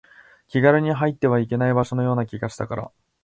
気軽に入ってはいけない場所のような気がしたから